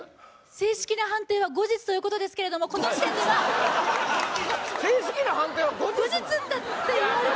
正式な判定は後日ということですけれどもこの時点では正式な判定は後日なの？